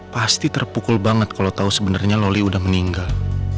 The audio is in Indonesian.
pasti terpukul banget kalau tahu sebenarnya loli udah meninggal